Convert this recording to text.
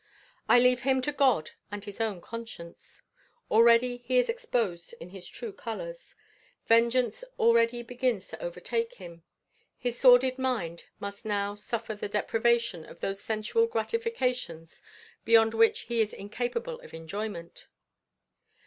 I leave him to God and his own conscience. Already is he exposed in his true colors. Vengeance already begins to overtake him. His sordid mind must now suffer the deprivation of those sensual gratifications beyond which he is incapable of enjoyment.